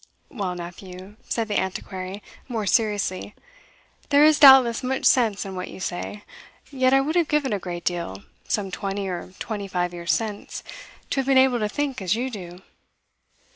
"Well, nephew," said the Antiquary, more seriously, "there is doubtless much sense in what you say; yet I would have given a great deal, some twenty or twenty five years since, to have been able to think as you do."